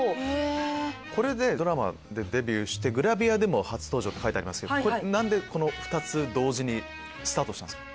これでドラマでデビューしてグラビアでも初登場って書いてありますけど何でこの２つ同時にスタートしたんすか？